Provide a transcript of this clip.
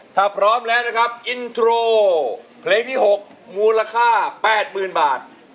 ถ้าพร้อมแล้วนะครับอินโทรเพลงที่๖มูลค่า๘๐๐๐บาท